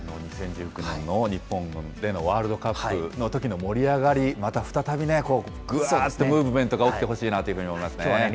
あの２０１９年の日本でのワールドカップのときの盛り上がり、また再びね、こうぐあーっとブームメントが起きてほしいなと思いますね。